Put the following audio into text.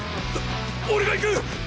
お俺が行く！